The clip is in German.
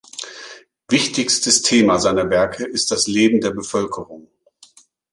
Wichtigstes Thema seiner Werke ist das Leben der Bevölkerung.